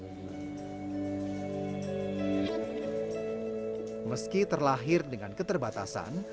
meski terlahir dengan keterbatasan